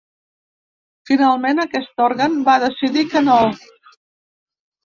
Finalment aquest òrgan va decidir que no.